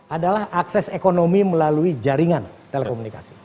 adalah akses ekonomi melalui jaringan telekomunikasi